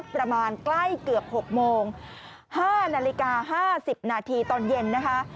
ประมาณใกล้เกือบ๖โมง๕นาฬิกา๕๐นาทีตอนเย็นนะคะ